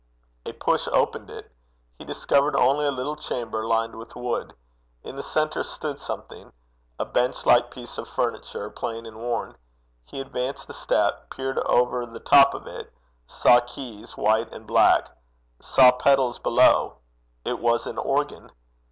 A push opened it. He discovered only a little chamber lined with wood. In the centre stood something a bench like piece of furniture, plain and worn. He advanced a step; peered over the top of it; saw keys, white and black; saw pedals below: it was an organ!